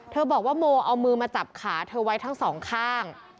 บอกว่าโมเอามือมาจับขาเธอไว้ทั้งสองข้าง